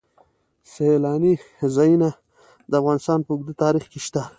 سیلاني ځایونه د افغانستان په اوږده تاریخ کې شته.